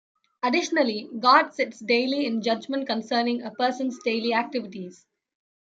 Additionally, God sits daily in judgment concerning a person's daily activities.